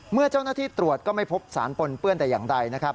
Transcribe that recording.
เมื่อเจ้าหน้าที่ตรวจก็ไม่พบสารปนเปื้อนแต่อย่างใดนะครับ